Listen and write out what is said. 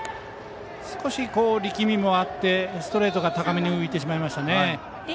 少し力みもあってストレートが高めに浮きましたね。